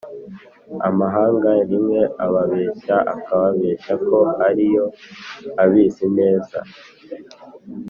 Amahanga rimwe ababeshya Akababeshya ko ariyo abizi neza